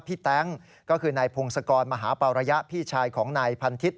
แต๊งก็คือนายพงศกรมหาปาระยะพี่ชายของนายพันทิศ